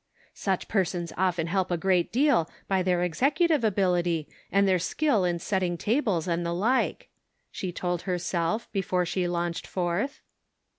" Such persons often help a great deal by their executive ability and their skill in setting tables and the like," she told herself, before she launched forth.